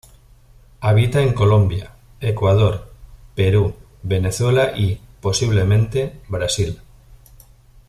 Habita en Colombia, Ecuador, Perú, Venezuela y, posiblemente, Brasil.